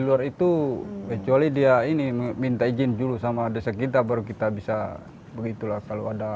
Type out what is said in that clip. luar itu kecuali dia ini minta izin dulu sama desa kita baru kita bisa begitulah kalau ada